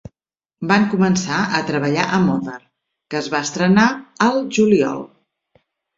Van començar a treballar a "Mother", que es va estrenar al juliol.